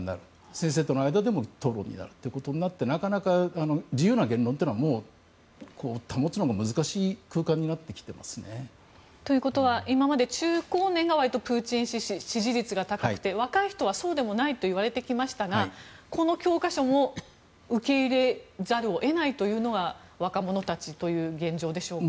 先生との間でも討論になるということになってなかなか自由な言論というのはもう保つのも難しい空間になってきていますね。ということは割と今まで中高年がプーチン支持率が高くて若い人はそうではないといわれていましたがこの教科書も受け入れざるを得ないというのが若者たちという現状でしょうか？